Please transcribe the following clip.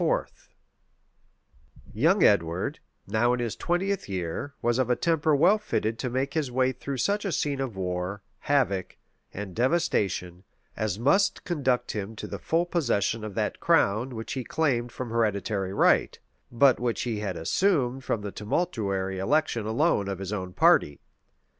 {1461.} Young Edward, now in his twentieth year, was of a temper well fitted to make his way through such a scene of war, havoc, and devastation, as must conduct him to the full possession of that crown, which he claimed from hereditary right, but which he had assumed from the tumultuary election alone of his own party.